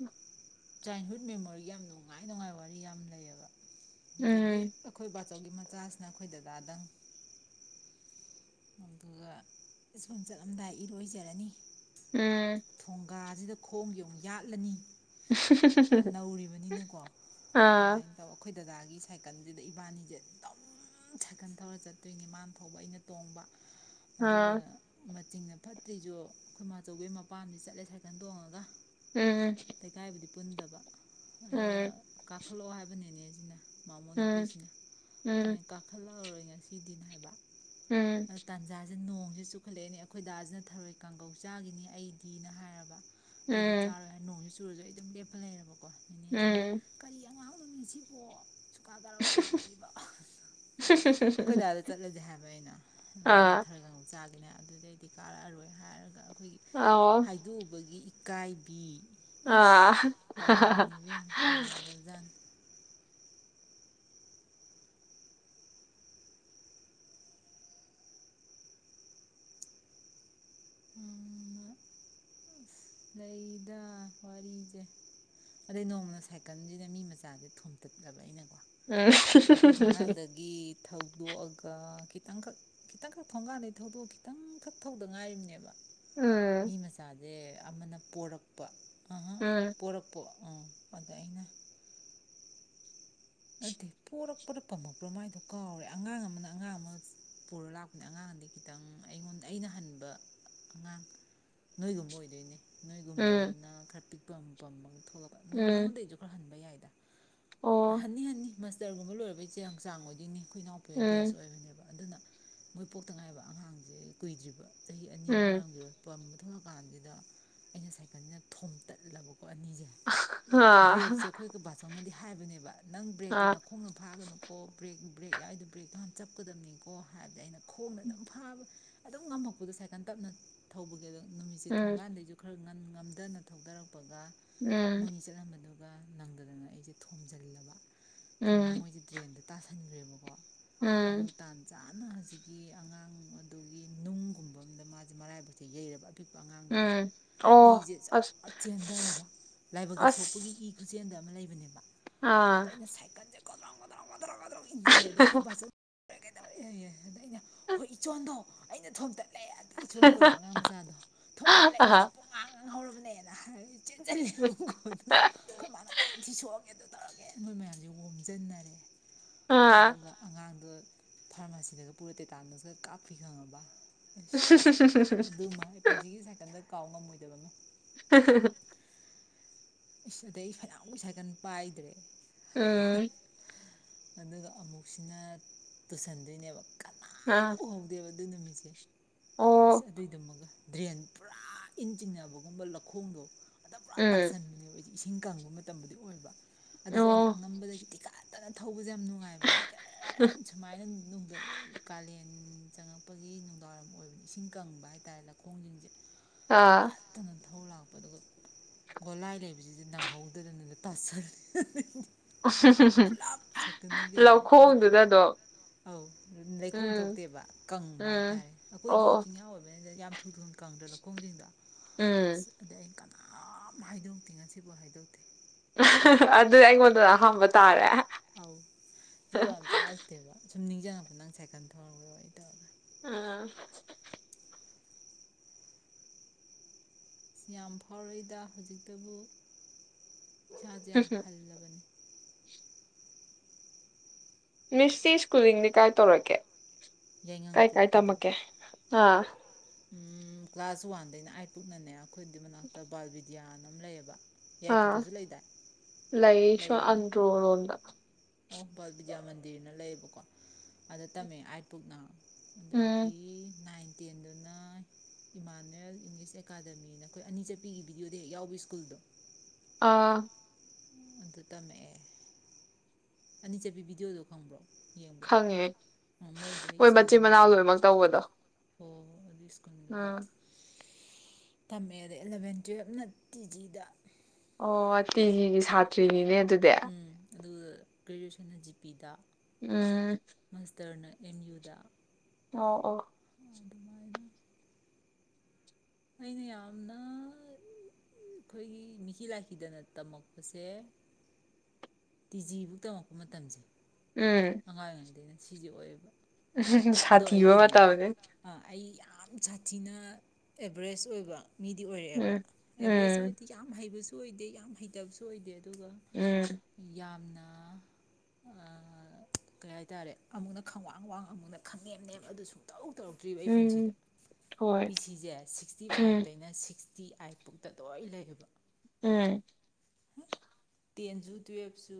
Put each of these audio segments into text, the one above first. ꯎꯝ [inaudible] childhood ꯃꯦꯃꯣꯔꯤꯑꯤ ꯌꯥꯝ ꯅꯨꯡꯉꯥꯏ ꯅꯨꯡꯉꯥꯏꯕ ꯋꯥꯔꯤ ꯌꯥꯝ ꯂꯩꯌꯦꯕ ꯑꯗꯒꯤ ꯎꯝ ꯑꯩꯈꯣꯏ ꯕꯥꯆꯧꯒꯤ ꯃꯆꯥ ꯁꯤꯅ ꯑꯩꯈꯣꯏ ꯗꯗꯥꯗꯪ ꯑꯗꯨꯒ ꯁꯀꯜ ꯆꯠꯂꯝꯗꯥꯏ ꯏꯔꯣꯏꯖꯔꯅꯤ ꯎꯝ ꯊꯣꯡꯒꯥꯁꯤꯗ ꯈꯣꯡ ꯌꯧ ꯌꯥꯠꯂꯅꯤ ꯅꯧꯔꯤꯕꯅꯤꯅꯀꯣ ꯑꯥ ꯑꯗꯨꯃꯥꯏꯅ ꯇꯧ ꯑꯩꯈꯣꯏ ꯗꯗꯥꯒꯤ ꯁꯥꯏꯀꯜꯁꯤꯗ ꯏꯕꯥꯅꯤꯁꯦ ꯑꯗꯨꯝ ꯁꯥꯏꯀꯜ ꯊꯧꯔ ꯆꯠꯇꯣꯏꯅꯦ ꯃꯥꯅ ꯊꯧꯕ ꯑꯩꯅ ꯇꯣꯡꯕ ꯑꯗꯨꯒ ꯑꯥ ꯃ ꯆꯤꯡꯅ ꯐꯠꯇ꯭ꯔꯤꯁꯨ ꯑꯩꯈꯣꯏ ꯃꯥꯆꯧꯕꯤ ꯍꯣꯢ ꯃꯄꯥꯝꯁꯤꯗ ꯆꯠꯂꯦ ꯁꯥꯏꯀꯜ ꯇꯣꯡꯉꯒ ꯎꯝ ꯂꯩꯀꯥꯏꯕꯨꯗꯤ ꯄꯨ ꯄꯨꯟꯗꯕ ꯑꯗꯨꯒ ꯎꯝ ꯀꯥꯈꯠꯂꯛꯑꯣ ꯍꯥꯏꯕ ꯅꯦꯅꯦꯁꯦ ꯃꯥꯃꯣ ꯎꯝ ꯅꯨꯄꯤꯁꯤꯅ ꯎꯝ ꯑꯩꯅ ꯀꯥꯈꯠꯂꯛꯑꯔꯣꯏꯒꯦ ꯉ ꯉꯁꯤꯗꯤꯅ ꯍꯥꯏꯕ ꯎꯝ ꯑꯗ ꯇꯟꯖꯥ ꯁꯤꯗ ꯅꯣꯡꯁꯦ ꯆꯨꯈꯠꯂꯛꯑꯅꯦ ꯑꯩꯈꯣꯏ ꯗꯥꯁꯤꯅ ꯊꯔꯣꯏ ꯀꯥꯡꯒꯧ ꯆꯥꯈꯤꯅꯤ ꯑꯩ ꯗꯤꯅ ꯍꯥꯏꯔꯕ ꯑꯩꯗꯤ ꯎꯝ ꯆꯥꯔꯣꯏ ꯍꯥꯏꯔ ꯅꯣꯡꯖꯦ ꯆꯨꯔꯁꯨ ꯑꯩ ꯑꯗꯨꯝ ꯂꯦꯞꯄ ꯂꯩꯔꯔꯕꯀꯣ ꯅꯦꯅꯦꯁꯤꯅ ꯎꯝ ꯀꯔꯤ ꯑꯉꯥꯡ ꯅꯣꯅꯦꯁꯤꯕꯣ ꯁꯨꯡꯀꯥ ꯀꯥꯔꯛꯎ ꯌꯥꯗꯕꯁꯤꯕꯣ꯫ ꯑꯩꯈꯣꯢ ꯗꯥꯗ ꯆꯠꯂꯁꯦ ꯍꯥꯢꯕ ꯑꯩꯅ ꯃꯥꯅ ꯑꯥ ꯊꯔꯣꯏ ꯀꯥꯡꯍꯧ ꯆꯥꯒ ꯅꯦ ꯑꯗꯨꯗꯩꯗꯤ ꯀꯥꯔꯛꯑꯔꯣꯏ ꯍꯥꯏꯔꯒ ꯑꯩꯈꯣꯏꯒꯤ ꯑꯣ ꯍꯥꯏꯗꯣꯛꯎꯕꯒꯤ ꯢ ꯏꯀꯥꯢꯕꯤ ꯑꯥ ꯏꯕꯦꯝꯃ ꯅꯨꯡꯉꯥꯏꯈ꯭ꯔꯕꯖꯥꯠꯅꯤ ꯎꯝꯝ ꯂꯩꯗ ꯋꯥꯔꯤꯖꯦ ꯑꯗꯩ ꯅꯣꯡꯃꯅ ꯁꯥꯏꯀꯜꯁꯤꯅ ꯃꯤ ꯃꯆꯥꯁꯦ ꯊꯣꯝꯗꯠꯂꯕ ꯑꯩꯅ ꯑ ꯊꯧꯗꯣꯛꯑꯒ ꯈꯤꯇꯪꯈꯛ ꯈꯤꯇꯪꯈꯛ ꯊꯣꯡꯀꯥꯟꯗꯩ ꯊꯧꯗꯣꯛꯑꯒ ꯈꯤꯇꯪꯈꯛ ꯊꯧꯗ ꯉꯥꯏꯔꯤꯕꯅꯦꯕ ꯃꯤ ꯃꯁꯥꯗ ꯑ ꯑꯃꯅ ꯄꯣꯔꯛꯄ ꯑꯍ ꯎꯝ ꯎꯝ ꯄꯣꯔꯛꯄ꯭ꯔꯣ ꯑꯥ ꯑꯗ ꯑꯩꯅ ꯅꯠꯇꯦ ꯄꯣꯔꯛꯄ꯭ꯔꯥ ꯄꯝꯃꯛꯄ꯭ꯔꯥ ꯃꯥꯏꯗꯣ ꯀꯥꯎꯔꯦ ꯑꯉꯥꯡ ꯑꯃꯅ ꯑꯉꯥꯡ ꯑꯃ ꯄꯨꯔ ꯂꯥꯛꯄꯅꯤ ꯑꯉꯥꯡ ꯑꯝꯗꯤ ꯈꯤꯇꯪ ꯑꯩꯉꯣꯟꯗ ꯑꯩꯅ ꯍꯟꯕ ꯑꯉꯥꯡ ꯅꯣꯏꯒꯨꯝꯕ ꯑꯣꯏꯗꯣꯏꯅꯦ ꯅꯣꯏꯒꯨꯝꯕ ꯎꯝ ꯑꯃꯅ ꯈꯔ ꯄꯤꯛ ꯄꯝꯄꯝꯃꯒ ꯊꯣꯛꯂꯛꯄ ꯅꯣꯏ ꯎꯝ ꯅꯪꯉꯣꯟꯗꯩꯁꯨ ꯈꯔ ꯍꯟꯕ ꯌꯥꯏ ꯑꯣ ꯍꯟꯅꯤ ꯍꯟꯅꯤ ꯃꯁꯇꯔꯒꯨꯝꯕ ꯂꯣꯏꯔꯕꯩꯁꯦ ꯆꯥꯡ ꯑꯣꯏꯗꯣꯏꯅꯤ ꯑꯩꯈꯣꯏ ꯏꯅꯥꯎꯄꯤ ꯎꯝ ꯕꯦꯁ ꯑꯣꯏꯕꯅꯦꯕ ꯑꯗꯨꯅ ꯃꯣꯏ ꯄꯣꯛꯇ ꯉꯥꯏꯕ ꯑꯉꯥꯡꯁꯦ ꯀꯨꯏꯗ꯭ꯔꯤꯕ ꯆꯍꯤ ꯑꯅꯤ ꯎꯝ ꯐꯥꯔꯝꯈꯤꯔꯣꯏ ꯄꯝꯕ ꯊꯣꯛꯑꯀꯥꯟꯁꯤꯗ ꯑꯩꯅ ꯁꯥꯏꯀꯜꯁꯤꯅ ꯊꯣꯝꯇꯠꯂꯕ ꯑꯣ ꯑꯅꯤꯁꯦ ꯑꯥ ꯕ꯭ꯔꯦꯛꯁꯦ ꯑꯩꯈꯣꯏꯒ ꯕꯥꯆꯧꯅꯗꯤ ꯍꯥꯏꯕꯅꯦꯕ ꯅꯪ ꯕ꯭ꯔꯦꯛꯇꯣ ꯑꯥ ꯅꯥꯈꯣꯡꯅ ꯐꯥꯒꯅꯨꯀꯣ ꯕ꯭ꯔꯦꯛ ꯕ꯭ꯔꯦꯛ ꯌꯥꯎꯏꯗꯣ ꯕ꯭ꯔꯦꯛꯇꯣ ꯍꯥꯟꯅ ꯆꯞꯀꯗꯝꯅꯤꯀꯣ ꯍꯥꯏꯕꯗ ꯑꯩꯅ ꯈꯣꯡꯅ ꯑꯗꯨꯝ ꯐꯥꯕ ꯑꯗꯨꯝ ꯉꯝꯃꯛꯄꯗꯣ ꯁꯥꯏꯀꯟ ꯇꯞꯅ ꯊꯧꯕꯒꯤ ꯑꯗꯨꯝ ꯅꯨꯃꯤꯠꯁꯦ ꯎꯝ ꯊꯣꯡꯒꯥꯟꯗꯩꯁꯨ ꯈꯔ ꯉꯝꯗꯅ ꯊꯧꯗꯔꯛꯄ ꯇꯄꯒ ꯎꯝ ꯃꯣꯏꯅꯤ ꯆꯠꯂꯝꯕꯗꯨ ꯑꯗꯨꯒ ꯅꯪꯗꯗꯅ ꯑꯩꯁꯦ ꯊꯣꯝꯖꯤꯜꯂꯕ ꯊꯣꯡꯕ ꯎꯝ ꯃꯣꯏꯒꯤ ꯗ꯭ꯔꯦꯟꯗꯣ ꯇꯥꯁꯟꯈ꯭ꯔꯦ ꯑꯃꯨꯛ ꯀꯣ ꯑꯗꯨ ꯎꯝ ꯇꯥꯟ ꯆꯥ ꯑꯗꯨꯅ ꯍꯧꯖꯤꯛꯀꯤ ꯑꯉꯥꯡ ꯑꯗꯨꯒꯤ ꯅꯨꯡꯒꯨꯝꯕ ꯑꯝꯗ ꯃꯥꯁꯦ ꯃꯔꯥꯏꯕꯁꯦ ꯌꯩꯔꯕ ꯑꯄꯤꯛꯄ ꯑꯉꯥꯡꯗꯣ ꯎꯝ ꯑꯣ ꯏꯁꯦ ꯖ꯭ꯔꯣ ꯑꯁ ꯆꯦꯟꯊꯔꯕ ꯂꯥꯏꯕꯛꯇ ꯁꯣꯛꯄꯒꯤ ꯑꯁ ꯏ ꯈꯨꯆꯦꯟꯗꯕ ꯑꯃ ꯂꯩꯕꯅꯦꯕ ꯑꯥ ꯗ꯭ꯔꯧꯒꯗ꯭ꯔꯧ ꯏꯟꯁꯤꯜꯂꯦꯗ ꯑꯩꯈꯣꯏ ꯕꯥꯆꯧ ꯀꯩꯗꯧꯔꯦ ꯑꯌꯦ ꯑꯗ ꯑꯩꯅ ꯍꯣꯏ ꯏꯆꯣꯟꯗꯣ ꯑꯩꯅ ꯊꯣꯝꯗꯠ ꯂꯩ ꯑꯗꯨ ꯏꯆꯣꯟ ꯀꯧꯋꯦꯕ ꯑꯉꯥꯡ ꯃꯆꯥꯗꯣ ꯊꯣꯝꯇꯠꯂꯦ ꯏꯅ ꯄꯨꯉꯥꯡ ꯉꯥꯡ ꯍꯧꯔꯕꯅꯦꯅ ꯍꯥꯏ ꯆꯦꯟꯁꯤꯜꯂꯤ ꯑꯗꯨꯒ ꯑꯩꯈꯣꯏ ꯃꯥꯅ ꯀꯌꯥꯝ ꯊꯤ ꯁꯣꯛꯑꯒꯦ ꯑꯦ ꯃꯣꯏ ꯃꯌꯥꯝꯁꯦ ꯑꯣꯖꯟꯅꯔꯦ ꯑꯗꯨꯅ ꯑꯉꯥꯡꯗꯣ ꯐꯥꯔꯃꯥꯁꯤꯗꯒ ꯄꯨꯔ ꯇꯤꯇꯥꯥꯟꯅꯁ ꯀꯥꯞꯄꯦ ꯈꯪꯉꯕ ꯑꯁ ꯎ ꯑꯗꯨꯃ ꯑꯩ ꯄꯨꯟꯁꯤꯒꯤ ꯁꯥꯏꯀꯜꯗ [unintelligible] ꯀꯥꯎ ꯉꯝꯃꯣꯏꯗꯕ ꯑꯃ [unintelligible] ꯏꯁ ꯑꯗꯩ ꯐꯅꯥꯃꯨ ꯁꯥꯏꯀꯜ ꯄꯥꯏꯗ꯭ꯔꯦ ꯎꯝ ꯑꯗꯨꯒ ꯑꯃꯨꯛꯁꯤꯅ ꯇꯨꯁꯟꯗꯣꯏꯅꯦꯕ ꯀꯅꯥꯝ ꯎꯍꯧꯗꯦꯕ ꯑꯗꯨ ꯅꯨꯃꯤꯠꯁꯦ ꯑꯁ ꯑꯗꯨꯏꯗꯨꯃꯒ ꯗ꯭ꯔꯦꯟ ꯄꯨꯔꯥ ꯏꯟ ꯆꯤꯡꯅꯕꯒꯨꯝꯕ ꯂꯧꯈꯣꯡꯗꯣ ꯑꯗ ꯄꯨꯔꯥ ꯇꯥꯁꯟꯕꯅꯦ ꯏꯁꯤꯡ ꯀꯪꯕ ꯃꯇꯝꯕꯨꯗꯤ ꯑꯣꯏꯕ ꯑꯗꯨꯁꯨ ꯑꯩꯅ ꯑꯉꯝꯕꯗꯒꯤ ꯇꯤꯀꯠ [unintelligible] ꯑꯩꯈꯣꯏꯁꯦ ꯌꯥꯝ ꯅꯨꯡꯉꯥꯏꯕꯒꯤ ꯒꯔ ꯒꯔ ꯒꯔ ꯒꯔ ꯒꯔ ꯁꯨꯃꯥꯏꯅ ꯅꯨꯡꯗ ꯀꯥꯂꯦꯟ ꯆꯪꯉꯛꯄꯒꯤ ꯅꯨꯡꯗꯥꯡꯋꯏꯔꯝ ꯑꯣꯏꯕ ꯏꯁꯤꯡ ꯀꯪꯕ ꯍꯥꯏꯇꯥꯔꯦ ꯂꯧꯈꯣꯡꯁꯤꯡꯁꯦ ꯑꯥ ꯇꯤꯀꯠꯇꯅ ꯊꯧ ꯂꯥꯛꯄ ꯑꯗꯨꯒ ꯒꯣꯂꯥꯏ ꯂꯩꯕ ꯑꯁꯤꯗꯩꯁꯤꯗ ꯅꯪꯍꯧꯗꯅꯅ ꯇꯥꯁꯜ [unintelligible] ꯄꯨꯂꯞ ꯁꯥꯏꯀꯜꯅꯦ ꯀꯩꯅꯦ ꯑꯩ ꯑꯧ ꯂꯩꯈꯣꯝ ꯊꯣꯛꯇꯦꯕ ꯀꯪꯕ ꯍꯥꯏꯇꯥꯔꯦ ꯑꯩꯈꯣꯏꯗꯤ ꯆꯤꯡꯌꯥ ꯑꯣꯏꯕꯅꯤꯅ ꯌꯥꯝ ꯊꯨꯟ ꯊꯨꯟ ꯀꯪꯗꯅ ꯈꯣꯡꯖꯤꯡꯗ ꯑꯗꯩ ꯑꯩꯅ ꯀ ꯀꯅꯥꯝ ꯍꯥꯏꯗꯣꯛꯇꯦ ꯉꯁꯤ ꯕꯧ ꯍꯥꯏꯗꯣꯛꯇꯦ ꯑꯗꯨ ꯑꯩꯉꯣꯟꯗ ꯑꯍꯥꯟꯕ ꯇꯥꯔꯦ ꯑꯧ ꯖꯨꯒꯣꯠ ꯌꯥꯝ ꯆꯥꯔꯛꯇꯦꯕ ꯁꯨꯝ ꯅꯤꯡꯖꯪꯉꯛꯄ ꯅꯪ ꯁꯥꯏꯀꯜ ꯊꯧꯔꯔꯣꯏ ꯇꯧꯔꯦ ꯑꯥ- ꯌꯥꯝ ꯐꯥꯎꯔꯛꯏꯗ ꯍꯧꯖꯤꯛꯇꯕꯨ ꯏꯁꯥꯁꯦ ꯌꯥꯝ ꯍꯜꯂꯕꯅꯤ ꯃꯤꯁꯁꯤ ꯁ꯭ꯀꯨꯜꯂꯤꯡꯗꯤ ꯀꯥꯏ ꯇꯧꯔꯛꯀꯦ ꯌꯥꯏꯉꯪ ꯀꯥꯏ ꯀꯥꯏ ꯇꯝꯃꯛꯀꯦ ꯑꯥ ꯎꯝ- ꯀ꯭ꯂꯥꯁ ꯋꯥꯟꯗꯩꯅ ꯑꯥꯏꯠ ꯄꯨꯨꯛꯅꯅꯦ ꯑꯩꯈꯣꯏꯗꯨ ꯃꯅꯥꯛꯇ ꯕꯥꯜ ꯕꯤꯗ꯭ꯌꯥꯅ ꯑꯃ ꯂꯩꯌꯦꯕ ꯑꯥ ꯌꯥꯏꯔꯤꯄꯣꯛꯇꯁꯨ ꯂꯩꯗꯥꯏ ꯂꯥꯏꯔꯤꯛꯁꯨ ꯂꯩ ꯑꯟꯗ꯭ꯔꯣꯔꯣꯝꯗ ꯑꯣ ꯕꯥꯜ ꯕꯤꯗ꯭ꯌꯥ ꯃꯟꯗꯤꯔꯅ ꯂꯩꯌꯦꯕꯀꯣ ꯑꯗ ꯇꯝꯃꯦ ꯑꯥꯏꯠ ꯄꯨꯛꯅ ꯎꯝ, ꯑꯗꯨꯗꯒꯤ ꯅꯥꯏꯟ ꯇꯦꯟꯗꯨꯅ ꯏꯃꯥꯅꯨꯋꯦꯜ ꯏꯪꯂꯤꯁ ꯑꯦꯀꯥꯗꯃꯤꯅ ꯑꯩꯈꯣꯏ ꯑꯅꯤ ꯆꯠꯄꯤꯒꯤ ꯚꯤꯗꯤꯑꯣꯗ ꯍꯦꯛ ꯌꯥꯎꯕ ꯁ꯭ꯀꯨꯜꯗꯣ ꯑꯥ ꯑꯗꯨ ꯇꯝꯃꯛꯑꯦ ꯑꯅꯤ ꯆꯠꯄꯤ ꯕꯤꯗꯤꯌꯣꯗꯣ ꯈꯪꯕ꯭ꯔꯣ ꯌꯦꯡꯕ꯭ꯔꯣ ꯈꯪꯉꯦ ꯃꯣꯏꯗꯤ ꯍꯣꯏ ꯃꯆꯤꯟ ꯃꯅꯥꯎ ꯂꯣꯏꯃꯛ ꯇꯧꯕꯗꯣ ꯂꯧꯁꯤꯟꯕ ꯉꯝꯗꯕ ꯁ꯭ꯀꯨꯜꯗꯨꯗ ꯎꯝ. ꯇꯝꯃꯛꯑꯦ ꯑꯗꯩ ꯑꯦꯂꯚꯦꯟ ꯇꯨꯌꯦꯜꯞꯅ ꯇꯤ ꯖꯤꯗ ꯑꯣ ꯇꯤꯒꯤꯒꯤ ꯁꯥꯇ꯭ꯔꯤꯅꯤꯅꯦ ꯑ ꯗꯨꯗ ꯎꯝ ꯑꯗꯨꯒ ꯒ꯭ꯔꯦꯖꯨꯌꯦꯁꯟꯅ ꯖꯤ ꯄꯤꯗ ꯎꯝ ꯃꯥꯁꯇꯔꯅ ꯑꯦꯝ ꯌꯨꯗ ꯑꯣ ꯑꯣ ꯑꯗꯨꯃꯥꯏꯅ ꯑꯩꯅ ꯌꯥꯝꯅ ꯑꯩꯈꯣꯏꯒꯤ ꯃꯤꯀꯤ ꯂꯥꯏꯀꯤꯗꯅ ꯇꯝꯃꯛꯄꯁꯦ ꯇꯤ ꯖꯤꯕꯨꯛ ꯇꯝꯃꯛꯄ ꯃꯇꯝꯁꯦ ꯑꯉꯥꯡ ꯑꯣꯏꯔꯤꯉꯩꯗꯗꯤ ꯑꯩꯅ ꯁꯤꯖꯦ ꯑꯣꯏꯌꯦꯕ ꯑꯗꯣ ꯍꯨꯝ-ꯍꯨꯝ-ꯁꯥꯊꯤꯕ ꯑꯩꯒꯤꯅꯦ ꯃꯇꯝꯅꯦ ꯑꯩ ꯌꯥꯝ ꯁꯥꯊꯤꯅ ꯑꯦꯕ꯭ꯔꯦꯁ ꯑꯣꯏꯕ ꯃꯤꯗꯤ ꯑꯣꯏꯔꯛꯑꯦꯕ ꯎꯝ ꯑꯦꯕ꯭ꯔꯦꯁ ꯎꯝ ꯍꯥꯏꯗꯤ ꯌꯥꯝ ꯍꯩꯕꯁꯨ ꯑꯣꯏꯗꯦ ꯌꯥꯝ ꯍꯩꯇꯕꯁꯨ ꯑꯣꯏꯗꯦ ꯑꯗꯨꯒ ꯎꯝ ꯌꯥꯝꯅ ꯑꯑ-ꯑꯑ--ꯀꯔꯤ ꯍꯥꯏꯇꯥꯔꯦ ꯑꯃꯨꯛꯅ ꯈꯪꯋꯥꯡ ꯋꯥꯡ ꯑꯃꯨꯛꯅ ꯈꯪꯅꯦꯝꯅꯦꯝ ꯑꯗꯨ ꯁꯨꯡꯇꯧ ꯇꯧꯔꯛꯇ꯭ꯔꯤꯕ ꯑꯩ ꯄꯨꯟꯁꯤꯗ ꯎꯝ ꯄꯤ ꯍꯣꯏ ꯁꯤꯖꯦ ꯁꯤꯛꯁꯇꯤ ꯐꯥꯏꯚ ꯎꯝ ꯇꯩꯅ ꯁꯤ ꯁꯤꯛꯁꯇꯤ ꯑꯥꯏꯠ ꯐꯧꯛꯗ ꯂꯣꯏ ꯂꯩꯌꯦꯕ ꯎꯝ ꯇꯦꯟꯁꯨ ꯇꯨꯋꯦꯜꯐꯁꯨ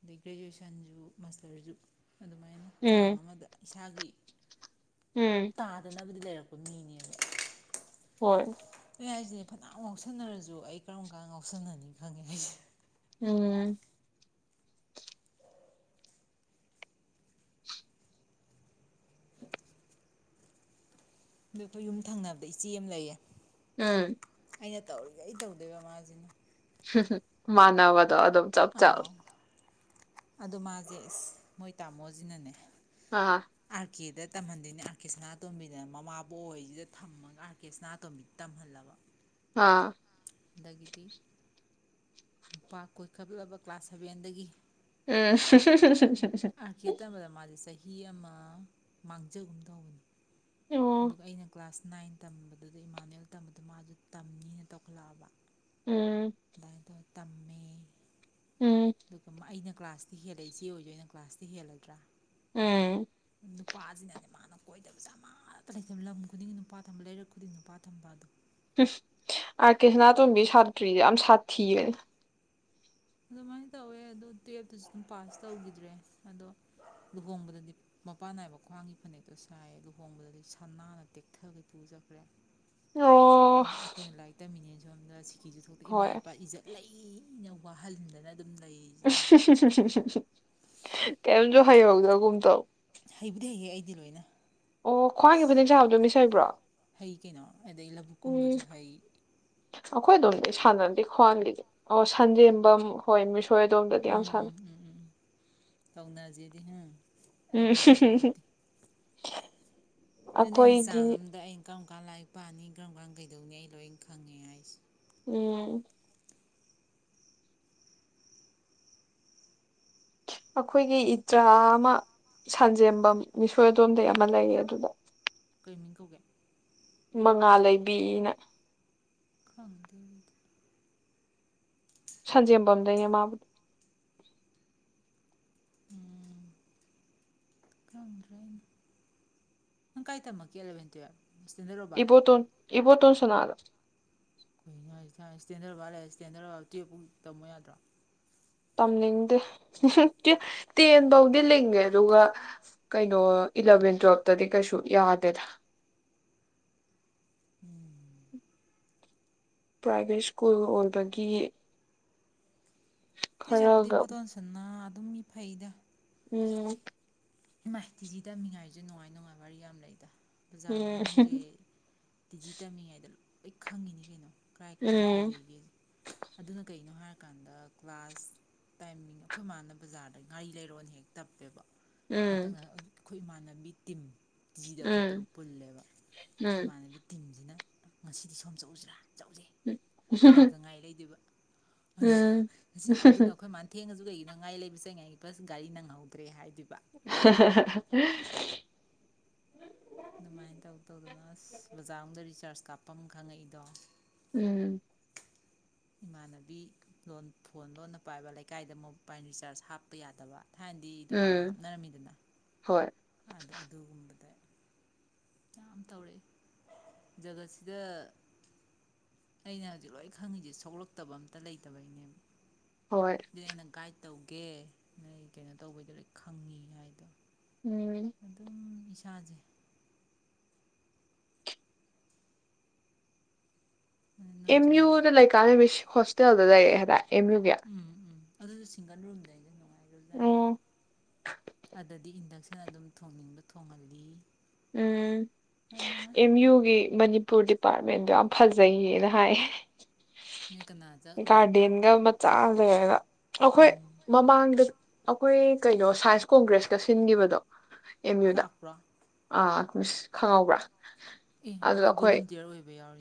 ꯑꯗꯩ ꯒ꯭ꯔꯦꯖꯨꯑꯦꯁꯟꯁꯨ ꯃꯥꯁꯇꯔꯁꯨ ꯑꯗꯨꯃꯥꯏꯅ ꯆꯥꯡ ꯎꯝ ꯑꯃꯗ ꯏꯁꯥꯒꯤ ꯎꯝ ꯇꯥꯗꯅ ꯕꯨꯗꯤ ꯂꯩꯔꯛꯄꯥ ꯃꯤꯅꯦꯕ ꯍꯣꯏ ꯑꯗꯨꯅꯦ ꯍꯥꯏꯁꯤꯅꯦ ꯐꯅꯌꯥꯝ ꯉꯥꯎꯁꯟꯅꯔꯁꯨ ꯑꯩ ꯀꯔꯝ ꯀꯥꯟ ꯉꯥꯎꯁꯟꯅꯅꯤ ꯈꯪꯉꯦ ꯍꯥꯢꯁꯦ ꯎꯝ ꯑꯗ ꯑꯩꯈꯣꯏ ꯌꯨꯝ ꯊꯪꯅꯕꯗ ꯏꯆꯦ ꯑꯃ ꯂꯩꯌꯦ ꯎꯝ ꯑꯩꯅ ꯇꯧꯔꯤꯒꯩ ꯇꯧꯗꯣꯏꯕ ꯃꯥꯁꯤꯅ ꯍꯨꯝ ꯍꯨꯝ ꯃꯥꯟꯅꯕꯅꯦ ꯑꯗꯨꯝ ꯆꯞ ꯆꯞ ꯑꯥꯎ ꯑꯗꯣ ꯃꯥꯁꯦ ꯢꯁ ꯃꯣꯏ ꯇꯥꯃꯣꯁꯤꯅꯅꯦ ꯑꯥ ꯑꯥꯔ ꯀꯦꯗ ꯇꯝꯍꯟꯗꯣꯏꯅꯦ ꯑꯥꯔ ꯀꯦ ꯁꯅꯥꯇꯣꯝꯕꯤꯗ ꯃꯃꯥꯕꯨꯣꯛꯍꯣꯏꯁꯤꯗ ꯊꯝꯃꯒ ꯑꯥꯔ ꯀꯦ ꯁꯅꯥꯇꯣꯝꯕꯤꯗ ꯇꯝꯍꯜꯂꯕ ꯑꯥ ꯑꯗꯒꯤꯗꯤ ꯅꯨꯄꯥ ꯀꯣꯏꯈꯠꯂꯕ ꯀ꯭ꯂꯥꯁ ꯁꯚꯦꯟꯗꯒꯤ ꯎꯝ ꯑꯥꯔꯀꯦ ꯇꯝꯕꯗ ꯃꯥꯁꯦ ꯆꯍꯤ ꯍꯤ ꯑꯃ ꯃꯥꯡꯖꯒꯨꯝ ꯇꯧꯕꯅꯦ ꯑꯣ ꯑꯗꯨꯒ ꯑꯩꯅ ꯀ꯭ꯂꯥꯁ ꯅꯥꯏꯟ ꯇꯝꯕꯗꯨꯗ ꯏꯃꯥꯅꯨꯌꯦꯜ ꯇꯝꯕꯗ ꯃꯥꯁꯨ ꯇꯝꯅꯤꯅ ꯇꯧꯈꯠꯂꯛꯑꯕ ꯎꯝ ꯥꯑꯗꯥꯢ ꯇꯧꯔꯥ ꯇꯝꯃꯦ ꯎꯝ ꯑꯗꯨꯒ ꯃꯥ ꯑꯩꯅ ꯀ꯭ꯂꯥꯁꯇꯤ ꯍꯦꯜꯂꯦ ꯏꯆꯦ ꯑꯣꯏꯔꯖꯨ ꯑꯩꯅ ꯀ꯭ꯂꯥꯁꯇꯤ ꯍꯦꯜꯂꯗ꯭ꯔꯥ ꯎꯝ ꯅꯨꯄꯥꯁꯤꯅꯅꯦ ꯃꯥꯅ ꯀꯣꯏꯗꯕꯁꯦ ꯑꯃꯇ ꯂꯩꯇꯕ ꯂꯝ ꯈꯨꯗꯤꯡꯒꯤ ꯅꯨꯄꯥ ꯊꯝꯕ ꯂꯩꯔꯛ ꯈꯨꯗꯤꯡ ꯅꯨꯄꯥ ꯊꯝꯕ ꯑꯗꯣ ꯑꯥꯔꯀꯦ ꯁꯅꯥꯇꯣꯝꯕꯤ ꯁꯥꯇ꯭ꯔꯤꯁꯦ ꯌꯥꯝ ꯁꯥꯊꯤꯕꯅꯦ ꯑꯗꯨꯃꯥꯏꯅ ꯇꯧꯋꯦ ꯑꯗꯣ ꯇꯨꯌꯦꯜꯞꯇꯁꯨ ꯑꯗꯨꯝ ꯄꯥꯁ ꯇꯧꯈꯤꯗ꯭ꯔꯦ ꯑꯗꯣ ꯂꯨꯍꯣꯡꯕꯗꯗꯤ ꯃꯄꯥꯟ ꯅꯥꯏꯕ ꯈ꯭ꯋꯥꯡꯒꯤ ꯐꯅꯛꯇꯣ ꯁꯥꯏꯌꯦ ꯂꯨꯍꯣꯡꯕꯗꯗꯤ ꯁꯅꯥꯅ ꯇꯦꯛꯊꯒꯩ ꯄꯨꯔꯥ ꯆꯠꯈ꯭ꯔꯦ ꯑꯣ ꯑꯩꯈꯣꯏꯅ ꯂꯥꯏꯔꯤꯛ ꯇꯝꯃꯤꯅꯦꯅ ꯁꯣꯝꯗ ꯁꯤ ꯀꯤꯁꯨ ꯊꯣꯛꯇꯦ ꯏꯃꯥ ꯍꯣꯏ ꯏꯄꯥ ꯏꯖꯠ ꯂꯩꯅ ꯋꯥꯍꯟꯗꯅ ꯑꯗꯨꯝ ꯂꯩꯔꯤꯁꯤꯅꯦ ꯍꯧꯖꯤꯛꯐꯥꯎ ꯍꯨꯝ-ꯍꯨꯝ-ꯍꯨꯝ-ꯍꯨꯝ-ꯍꯨꯝ-ꯍꯨꯝ-ꯀꯩꯝꯖꯨ ꯍꯥꯏ ꯐꯪꯍꯧꯗꯒꯨꯝ ꯇꯧ ꯍꯩꯕꯨꯗꯤ ꯍꯩꯍꯦ ꯑꯩꯗꯤ ꯂꯣꯏꯅ ꯑꯣ ꯈ꯭ꯋꯥꯡꯒꯤ ꯐꯅꯦꯛ ꯑ ꯁꯥꯕꯗꯣ ꯃꯤꯁ ꯍꯩꯕ꯭ꯔꯣ ꯍꯩ ꯀꯩꯅꯣ ꯑꯗꯩ ꯂꯕꯨꯛ ꯎꯝ ꯀꯨꯝꯕꯖꯨ ꯍꯩ ꯑꯩꯈꯣꯏ ꯑꯗꯣꯝꯗꯤ ꯁꯥꯟꯅꯗꯦ ꯈ꯭ꯋꯥꯡꯒꯤꯗꯤ ꯑꯣ ꯁꯟꯖꯦꯝꯕꯝ ꯍꯣꯏ ꯃꯤꯁ ꯎꯝ ꯎꯝ ꯎꯝ ꯎꯝ ꯎꯝ ꯇꯧꯅꯖꯦꯗꯤ ꯍꯝ ꯑꯩ ꯎꯝ ꯍꯩꯇꯕ ꯂꯩꯇꯦ ꯑꯗꯨ ꯅꯣꯏꯅ ꯑꯩꯈꯣꯏꯒꯤ ꯆꯥꯡ ꯑꯃꯗ ꯑꯩꯅ ꯀꯔꯝ ꯀꯥꯟ ꯂꯥꯏꯔꯤꯛ ꯄꯥꯅꯤ ꯀꯔꯝ ꯀꯥꯟ ꯀꯩꯗꯧꯅꯤ ꯑꯩ ꯂꯣꯏꯅ ꯈꯪꯉꯦ ꯍꯥꯏꯁꯦ ꯎꯝ ꯑꯩꯈꯣꯏꯒꯤ ꯏꯆꯥ ꯑꯃ ꯁꯟꯖꯦꯝꯕꯝ ꯃꯤꯁ ꯍꯣꯏ ꯑꯗꯣꯝꯗꯩ ꯑꯃ ꯂꯩꯌꯦ ꯑꯗꯨꯗ ꯀꯩ ꯃꯤꯡ ꯀꯧꯒꯦ ꯃꯉꯥꯜꯂꯩꯕꯤꯅ ꯈꯪꯗꯦ ꯑꯗꯨꯗꯤ ꯁꯟꯖꯦꯝꯕꯝꯗꯩꯅꯦ ꯃꯥꯕꯨꯗꯤ ꯎꯝ ꯈꯪꯗ꯭ꯔꯦ ꯑꯗꯨ ꯅꯪ ꯀꯥꯏ ꯇꯝꯃꯛꯀꯦ ꯑꯦꯂꯚꯦꯟ ꯇꯨꯋꯦꯜꯄ ꯁꯇꯦꯟꯗꯔ ꯔꯣꯕꯥꯔꯠ ꯏꯕꯣꯇꯣꯟꯁꯅꯥꯗ ꯇꯥꯕ ꯉꯝꯗꯕ ꯁꯇꯦꯟꯗꯔ ꯔꯣꯕꯥꯔꯠ ꯂꯩꯔ ꯁꯇꯦꯟꯗꯔ ꯔꯣꯕꯥꯔꯠꯇ ꯇ꯭ꯋꯦꯜꯄꯄꯨꯛ ꯇꯝꯃꯣ ꯌꯥꯗ꯭ꯔꯣ ꯇꯝꯅꯤꯡꯗꯦ ꯍꯨꯝ-ꯍꯨꯝ-ꯇꯨꯋꯦꯜꯄ ꯇꯦꯟꯐꯧꯗꯤ ꯂꯤꯡꯉꯦ ꯑꯗꯨꯒ ꯀꯩꯅꯣ ꯏꯂꯚꯦꯟ ꯇꯨꯋꯦꯜꯞꯇꯗꯤ ꯀꯩꯁꯨ ꯌꯥꯗꯦꯗ ꯎꯝ ꯄ꯭ꯔꯥꯏꯚꯦꯠ ꯁ꯭ꯀꯨꯜꯒ ꯑꯣꯏꯕꯒꯤ ꯑꯗꯨꯏ ꯁꯔꯨꯛꯄꯨꯗꯤ ꯈꯔꯒ ꯏꯕꯣꯇꯣꯟꯁꯅꯥ ꯑꯗꯨꯝ ꯃꯤ ꯐꯩꯗ ꯎꯝ ꯏꯃꯥꯏ ꯇꯤꯖꯤ ꯇꯝꯃꯤꯉꯥꯏꯁꯨ ꯅꯨꯡꯉꯥꯏ ꯅꯨꯡꯉꯥꯏꯕ ꯋꯥꯔꯤ ꯌꯥꯝ ꯂꯩꯗ ꯕꯖꯥꯔ ꯃꯅꯨꯡꯖꯦ ꯇꯤ ꯖꯤ ꯇꯝꯃꯤꯉꯩꯗ ꯂꯣ ꯑꯩ ꯈꯪꯉꯤꯅꯤ ꯀꯩꯅꯣ ꯀꯔꯥꯏ ꯀꯥꯏꯗ ꯀꯩ ꯂꯩꯒꯦꯖꯦ ꯑꯗꯨꯅ ꯀꯩꯅꯣ ꯍꯥꯏꯔ ꯀꯥꯟꯗ ꯀ꯭ꯂꯥꯁ ꯇꯥꯏꯃꯤꯡ ꯑꯩꯈꯣꯏ ꯃꯥꯅ ꯕꯖꯥꯔꯗ ꯉꯥꯔꯤ ꯂꯩꯔꯣꯅ ꯍꯦꯛ ꯇꯞꯄꯦꯕ ꯄꯥꯛꯇꯛꯅꯅ ꯑꯩꯈꯣꯏ ꯏꯃꯥꯟꯅꯕ ꯇꯤꯝ ꯇꯤ ꯖꯤꯗ ꯑꯩꯈꯣꯏ ꯇꯔꯨꯛ ꯄꯨꯜꯂꯦꯕ ꯎꯝ ꯑꯩꯈꯣꯏ ꯏꯃꯥꯟꯅꯕꯤ ꯇꯤꯝꯖꯤꯅ ꯉꯁꯤꯗꯤ ꯁꯣꯝ ꯆꯧꯎꯁꯤꯔꯥ ꯆꯧꯖꯩ ꯍꯜꯂꯛꯄꯇ ꯉꯥꯔꯤ ꯂꯩꯗꯣꯏꯕ ꯑꯍ ꯎꯝ ꯉꯁꯤ ꯑꯗꯨꯗ ꯑꯩꯈꯣꯏ ꯃꯥꯅ ꯊꯦꯡꯉꯖꯨ ꯑꯗꯨꯀꯩꯒꯤꯅꯣ ꯉꯥꯔꯤ ꯂꯩꯕ ꯆꯠꯂꯤꯉꯩꯗ ꯕꯁ ꯒꯥꯔꯤ ꯅꯪꯍꯧꯗ꯭ꯔꯦ ꯍꯥꯏꯗꯣꯏꯕ ꯍꯥ-ꯍꯥ-ꯍꯥ-ꯍꯍ ꯑꯗꯨꯃꯥꯏꯅ ꯇꯧ ꯇꯧꯗꯅ ꯑꯁ ꯕꯖꯥꯔ ꯑꯝꯗ ꯔꯤꯆꯥꯔꯖ ꯀꯥꯞꯄ ꯈꯪꯉꯛꯏꯗꯣ ꯎꯝ ꯏꯃꯥꯟꯅꯕꯤ ꯂꯣꯟ ꯐꯣꯟ ꯂꯣꯟꯅ ꯄꯥꯏꯕ ꯂꯩꯀꯥꯏꯗ ꯃꯣꯕꯥꯏꯜ ꯔꯤꯆꯥꯔꯖ ꯍꯥꯞꯄ ꯌꯥꯗꯕ ꯊꯥꯏꯅꯗꯤ ꯗꯨꯀꯥꯟꯗ ꯎꯝ ꯍꯥꯞꯅꯔꯝꯃꯤꯗꯅ ꯍꯣꯏ ꯑꯗ ꯑꯗꯨꯒꯨꯝꯕꯗ ꯌꯥꯝ ꯇꯧꯔꯛꯑꯦ ꯖꯒꯠꯁꯤꯗ ꯑꯩꯅ ꯍꯧꯖꯤꯛ ꯂꯣꯏ ꯈꯪꯉꯤꯁꯦ ꯁꯣꯛꯂꯛꯇꯕ ꯑꯝꯇ ꯂꯩꯇꯕꯩꯅꯦꯕ ꯍꯣꯏ ꯑꯗꯨꯅꯤ ꯑꯩꯅ ꯒꯥꯏꯗ ꯇꯧꯒꯦ ꯅꯣꯏ ꯀꯩꯅꯣ ꯇꯧꯕꯩꯗꯣ ꯂꯣꯏ ꯈꯪꯉꯤ ꯍꯥꯏꯗꯣ ꯎꯝ ꯏꯁꯥꯖꯦ ꯑꯝ ꯅꯣꯏꯁꯨ ꯍꯌꯦꯡ ꯌꯨꯗ ꯂꯩ ꯀꯥꯟ ꯒꯤꯁ ꯍꯣꯁꯇꯦꯜꯗ ꯂꯩꯔꯛꯑ ꯍꯥꯏꯕ ꯑꯦꯝ ꯌꯨꯒꯤ ꯑꯗꯨ ꯁꯤꯡꯒꯜ ꯔꯨꯝꯗꯗꯤ ꯅꯨꯡꯉꯥꯏ ꯖꯥꯅꯤ ꯎꯝ ꯑꯗꯗꯤ ꯏꯟꯗꯛꯁꯟ ꯑꯗꯨꯝ ꯊꯣꯡꯅꯤꯡꯕ ꯊꯣꯡꯍꯜꯂꯤ ꯎꯝ ꯌꯥꯝ ꯅꯨꯡꯉꯥꯏ ꯑꯦꯝ ꯌꯨꯒꯤꯅꯤ ꯃꯅꯤ ꯄꯨꯔ ꯗꯤꯄꯥꯔꯠꯃꯦꯟꯗꯣ ꯌꯥꯝ ꯐꯖꯩꯌꯦꯒ ꯍꯥꯏꯌꯦ ꯅꯣꯏ ꯀꯅꯥ ꯆꯠꯂꯨꯔꯕ ꯒꯥꯔꯗꯦꯟꯒ ꯃꯆꯥ ꯃꯒ [inaudible] ꯑꯩꯈꯣꯏ ꯎꯝ ꯃꯃꯥꯡꯗ ꯑꯩꯈꯣꯏ ꯀꯩꯅꯣ ꯁꯥꯏꯟꯁ ꯀꯣꯡꯒ꯭ꯔꯦꯁꯀ ꯁꯤꯟꯒꯤꯕꯗꯣ ꯂꯥꯛꯄ꯭ꯔꯥ ꯎꯏ ꯈꯪꯍꯧꯕ꯭ꯔꯥ ꯑꯦ ꯑꯩꯈꯣꯏ ꯚꯣꯂꯨꯟꯇꯤꯌꯔ ꯑꯣꯏꯕ ꯌꯥꯎꯔꯤ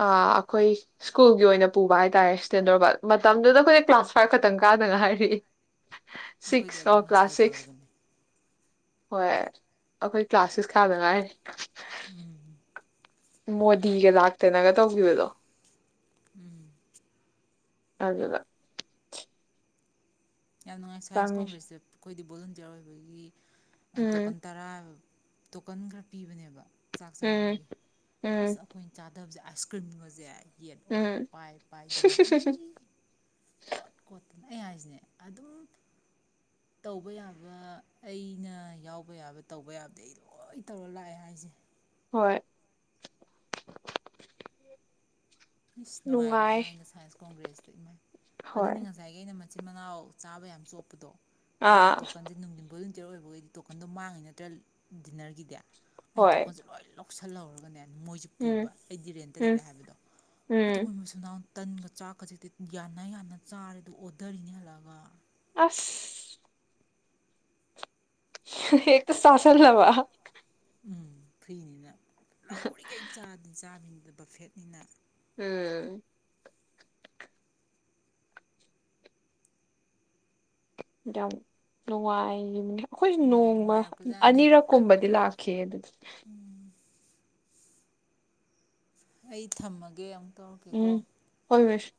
ꯑ ꯑꯩꯈꯣꯏ ꯁ꯭ꯀꯨꯜꯒꯤ ꯑꯣꯏꯅ ꯄꯨꯕ ꯍꯥꯏꯇꯥꯔꯦ ꯁ꯭ꯇꯦꯟꯗꯣꯔ ꯠ ꯃꯇꯝꯗꯨꯗ ꯑꯩꯈꯣꯏꯅ ꯀ꯭ꯂꯥꯁ ꯐꯥꯏꯐ ꯈꯛꯇꯪ ꯀꯥꯗ ꯉꯥꯏꯔꯤ ꯑꯩꯈꯣꯏꯗꯤ ꯁꯤꯛꯁ ꯑꯗ ꯑꯣ ꯀ꯭ꯂꯥꯁ ꯃꯁꯇꯔ ꯁꯤꯛꯁ ꯇꯧꯔꯕꯅꯦ ꯍꯣꯏ ꯑꯩꯈꯣꯏ ꯀ꯭ꯂꯥꯁ ꯁꯤꯁ ꯀꯥꯗ ꯉꯥꯏꯔꯤ ꯎꯝ ꯃꯣꯗꯤꯒ ꯂꯥꯛꯇꯅꯒ ꯇꯧꯒꯤꯕꯗꯣ ꯎꯝ ꯑꯅꯦꯕ ꯌꯥꯝ ꯅꯨꯡꯉꯥꯏ ꯁꯥꯏꯟꯁ ꯆꯪꯉꯤ ꯀꯣꯡꯒ꯭ꯔꯦꯁꯇ ꯑꯩꯈꯣꯏꯗꯤ ꯚꯣꯂꯟꯇꯤꯌꯥꯔ ꯑꯣꯏꯕꯒꯤ ꯎꯝ ꯇꯣꯀꯟ ꯇꯔꯥ ꯇꯣꯀꯟ ꯈꯔ ꯄꯤꯕꯅꯦꯕ ꯆꯥꯛ ꯎꯝ ꯆꯥꯕꯒꯤ ꯑꯁ ꯎꯝ ꯑꯩꯈꯣꯏꯅ ꯆꯥ ꯇꯕꯖꯦ ꯑꯥꯏꯁ ꯀ꯭ꯔꯤꯝꯒꯖꯦ ꯌꯦꯠ ꯑꯣꯏ ꯎꯝ ꯄꯥꯏ ꯄꯥꯏꯗꯅ ꯏ--ꯀꯣꯠ ꯀꯣꯠ ꯑꯗꯨ ꯑꯩ ꯍꯥꯏꯁꯤꯅꯦ ꯑꯗꯨꯝ ꯇꯧꯕ ꯌꯥꯕ ꯑꯩꯅ ꯌꯥꯎꯕ ꯌꯥꯕ ꯇꯧꯕ ꯌꯥꯕꯗꯤ ꯑꯩ ꯂꯣꯏ- ꯇꯧꯔ ꯂꯥꯛꯑꯦ ꯍꯥꯏꯁꯦ ꯍꯣꯏ ꯏꯁ ꯅꯨꯡꯉꯥꯏ ꯅꯨꯡꯉꯥꯏꯒ꯭ꯔꯕꯖꯥꯠꯅꯤꯗ ꯁꯥꯏꯟꯁ ꯀꯣꯡꯒ꯭ꯔꯦꯁ ꯍꯣꯏ ꯑꯗꯨꯅꯤ ꯉꯁꯥꯏꯒꯤ ꯑꯩꯅ ꯃꯠ ꯃꯆꯤꯟ ꯃꯅꯥꯎ ꯆꯥꯕ ꯌꯥꯝ ꯆꯣꯞꯄꯗꯣ ꯑꯩꯅ ꯑꯥ ꯇꯣꯀꯟꯖꯦ ꯅꯨꯡꯊꯤꯟꯕꯨꯛ ꯌꯣꯟ ꯆꯤꯌꯔ ꯑꯣꯏꯕꯈꯩꯗꯤ ꯇꯣꯀꯟꯗꯣ ꯃꯥꯡꯉꯤ ꯅꯠꯇ꯭ꯔ ꯗꯤꯟꯅꯔꯒꯤꯗꯤ ꯑꯩꯅ ꯍꯣꯏ ꯇꯣꯀꯟꯖꯦ ꯂꯣꯏ ꯂꯧ ꯂꯧꯁꯜꯍꯧꯔꯒꯅꯦ ꯃꯣꯏꯁꯦ ꯎꯝ ꯄꯨꯕ ꯑꯩꯗꯤ ꯔꯦꯟꯇ ꯎꯝ ꯂꯩꯔꯦ ꯍꯥꯏꯕꯗꯣ ꯑꯗꯣ ꯎꯝ ꯃꯣꯏ ꯃꯆꯤꯟ ꯃꯅꯥꯎ ꯇꯟꯒ ꯆꯥꯛꯀꯖꯤꯗꯤ ꯌꯥꯟꯅ ꯌꯥꯟꯅ ꯆꯥꯔꯦ ꯑꯗꯨ ꯑꯣꯗꯔꯤꯅꯤ ꯍꯜꯂꯛꯒ ꯑꯁ ꯍ ꯍꯦꯛꯇꯥ ꯆꯥꯁꯜꯂꯕ ꯎꯝ ꯐꯨꯏꯅꯤꯅꯦ ꯎꯔꯤꯒꯩ ꯆꯥꯛ ꯆꯥꯕꯤꯅꯤ ꯕꯐꯦꯠꯅꯤꯅ ꯎꯝ ꯌꯥꯝ ꯅꯨꯡꯉꯥꯏꯒꯤꯕꯅꯤ ꯑꯩꯈꯣꯏꯁꯨ ꯎꯝ ꯅꯣꯡꯃ ꯅꯨꯡꯉꯥꯏꯔꯛꯄꯖꯥꯠꯅꯤ ꯑꯅꯤꯔꯛꯀꯨꯝꯕꯗꯤ ꯂꯥꯛꯈꯤ ꯑꯗꯨꯗꯤ ꯑꯩ ꯊꯝꯃꯒꯦ ꯑꯃꯨꯛ ꯇꯧꯔꯛꯀꯦꯀꯣ ꯎꯝ ꯍꯣꯏ ꯍꯣꯏ ꯁꯦ